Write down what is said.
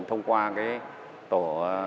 thông qua cái tổ